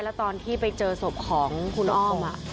แล้วตอนที่ไปเจอศพของคุณอ้อม